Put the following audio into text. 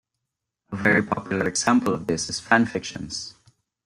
A very popular example of this is fan fictions.